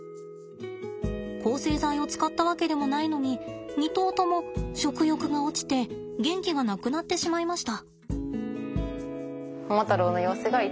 抗生剤を使ったわけでもないのに２頭とも食欲が落ちて元気がなくなってしまいました。